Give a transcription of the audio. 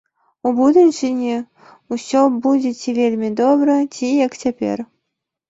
У будучыні ўсё будзе ці вельмі добра, ці як цяпер.